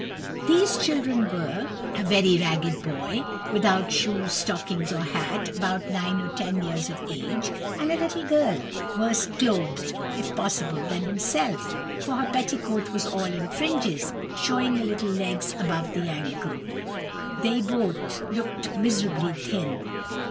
These children were a very ragged boy, without shoes, stockings, or hat, about nine or ten years of age, and a little girl, worse clothed, if possible, than himself, for her petticoat was all in fringes, showing her little legs above the ankle; they both looked miserably thin.